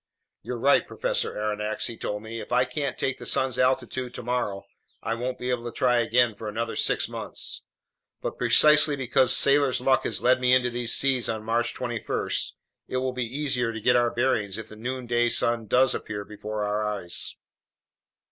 "You're right, Professor Aronnax," he told me. "If I can't take the sun's altitude tomorrow, I won't be able to try again for another six months. But precisely because sailors' luck has led me into these seas on March 21, it will be easy to get our bearings if the noonday sun does appear before our eyes."